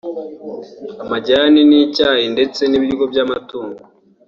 amajyani y’icyayi ndetse n’ibiryo by’amatungo